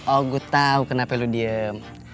oh gue tau kenapa lu diem